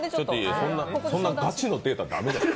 ガチのデータだめだよ。